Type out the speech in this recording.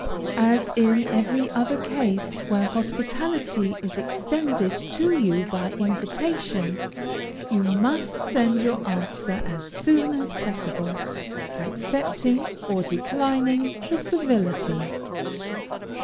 As in every other case where hospitality is extended to you by invitation, you must send your answer as soon as possible, accepting or declining the civility.